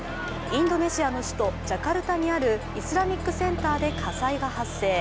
インドネシアの首都ジャカルタにあるイスラミック・センターで火災が発生。